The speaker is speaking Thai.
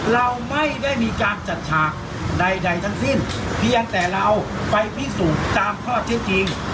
เราไม่ได้มีการจัดฉากใดทั้งสิ้นเพียงแต่เราไปพิสูจน์ตามข้อที่จริง